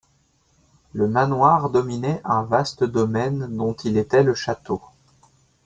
Le manoir dominait un vaste domaine dont il était le château.